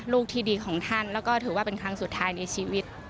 ลูกที่ดีของท่านแล้วก็ถือว่าเป็นครั้งสุดท้ายในชีวิต